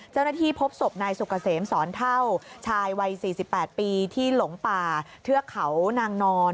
เจ้าหน้าที่พบศพนายสุกเกษมสอนเท่าชายวัย๔๘ปีที่หลงป่าเทือกเขานางนอน